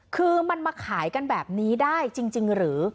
คือมันมาขายกันแบบนี้ได้จริงหรือ